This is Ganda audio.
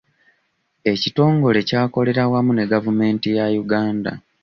Ekitongole kyakolera wamu ne gavumenti ya Uganda.